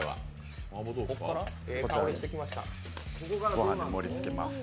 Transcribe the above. ご飯に盛りつけます。